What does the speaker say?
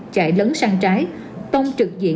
chạy lấn sang trái tông trực diện